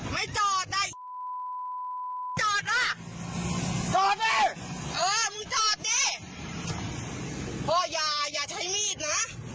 ไม่จอดนะจอดนะจอดดิเออมึงจอดดิพ่ออย่าอย่าใช้มีดนะ